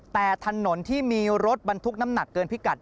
แต่ถนนที่มีรถบรรทุกน้ำหนักเกินพิกัด